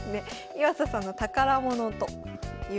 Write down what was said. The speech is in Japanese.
岩佐さんの宝物ということです。